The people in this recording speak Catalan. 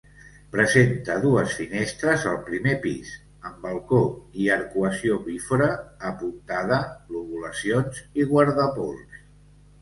Presenta dues finestres al primer pis, amb balcó i arcuació bífora apuntada, lobulacions i guardapols.